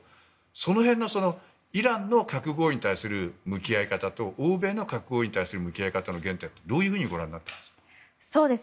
その辺のイランの核合意に対する向き合い方と欧米の核合意に対する向き合い方の原点どうご覧になりますか？